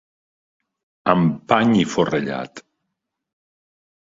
Amb pany i forrellat.